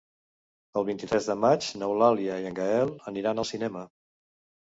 El vint-i-tres de maig n'Eulàlia i en Gaël aniran al cinema.